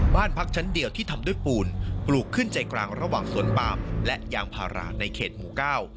บ้านพักชั้นเดียวที่ทำด้วยปูนปลูกขึ้นใจกลางระหว่างสวนปามและยางพาราในเขตหมู่เก้า